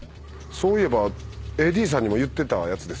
そういえばＡＤさんにも言ってたやつですよね。